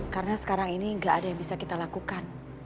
karena sekarang ini gak ada yang bisa kita lakukan